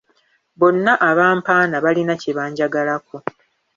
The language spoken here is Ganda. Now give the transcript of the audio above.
Bonna abampaana balina kye banjagalako.